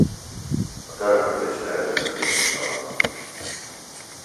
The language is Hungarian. A település eredete bizonytalan.